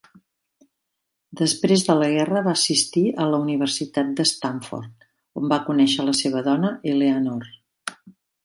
Després de la guerra va assistir a la Universitat d'Stanford, on va conèixer la seva dona, Eleanor.